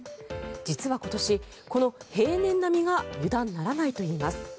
実は今年、この平年並みが油断ならないといいます。